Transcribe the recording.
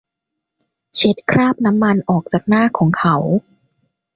เช็ดคราบมันออกจากหน้าของเขา